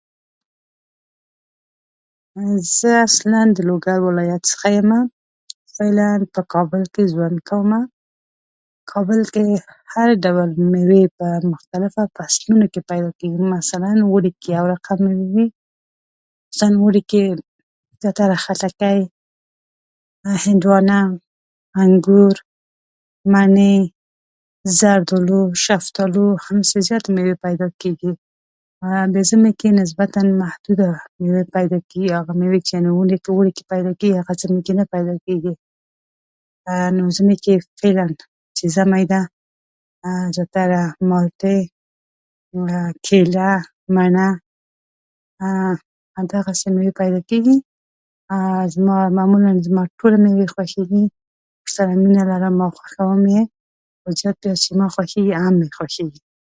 زه اصلاً د لوګر ولایت څخه یمه، فعلاً په کابل کې ژوند کومه. کابل کې هر ډول مېوې په مختلفو فصلونو کې پیدا کېږي. مثلاً اوړي کې یو رقم مېوې وي، مثلاً اوړي کې خټکی، هندواڼه، انګور، منې، زردالو، شفتالو او داسې زیاتې مېوې پیدا کېږي. ژمي کې نسبتاً محدودې مېوې پیدا کېږي. هغه مېوې چې اوړي کې پیدا کېږي، هغه ژمي کې نه پیدا کېږي. نو ژمي کې فعلاً چې ژمی ده، زیاتره مالتې، کیله، منه او دغسې مېوې پیدا کېږي. زما معمولاً ټولې مېوې خوښېږي، ورسره مینه لرم او خوښوم یې، او زیات چې ما خوښېږي، ام مې خوښېږي.